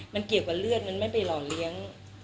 มันเกี่ยวกับเลือดมันไม่ไปหล่อเลี้ยง